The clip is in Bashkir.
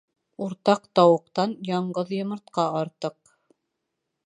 Уртаҡ тауыҡтан яңғыҙ йомортҡа артыҡ.